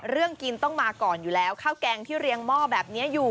กินต้องมาก่อนอยู่แล้วข้าวแกงที่เรียงหม้อแบบนี้อยู่